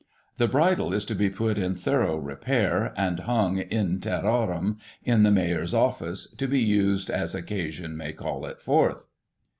The bridle is to be put in thorough repair, and hung in terrorem in the Mayor's office, to be used as occasion may call it forth."